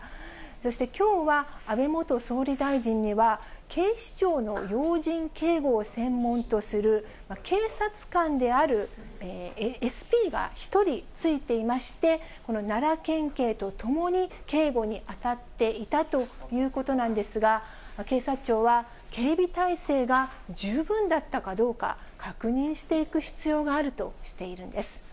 そしてきょうは、安倍元総理大臣には、警視庁の要人警護を専門とする、警察官であるＳＰが１人ついていまして、奈良県警と共に警護に当たっていたということなんですが、警察庁は、警備体制が十分だったかどうか、確認していく必要があるとしているんです。